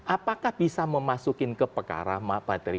apakah bisa memasukin ke perkara materi